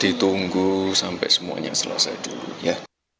ditunggu sampai semuanya selesai dulu ya